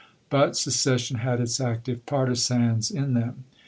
But secession had its active partisans in them.